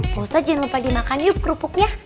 pak ustadz jangan lupa dimakan yuk kerupuknya